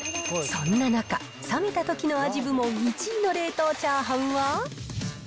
そんな中、冷めたときの味部門１位の冷凍チャーハンは。